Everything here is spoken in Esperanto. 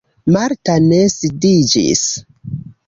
Marta ne sidiĝis.